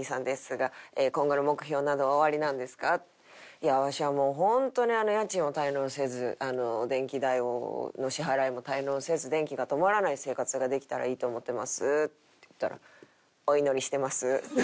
「いやわしはもうホントに家賃を滞納せず電気代の支払いも滞納せず電気が止まらない生活ができたらいいと思ってます」って言ったら。